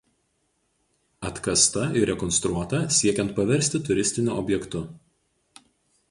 Atkasta ir rekonstruota siekiant paversti turistiniu objektu.